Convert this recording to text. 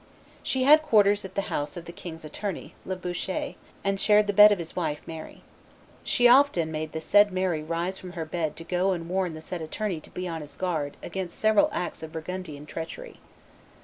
She had quarters at the house of the king's attorney, Le Boucher, and shared the bed of his wife, Mary. "She often made the said Mary rise from her bed to go and warn the said attorney to be on his guard against several acts of Burgundian treachery."